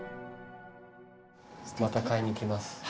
また買いに来ます。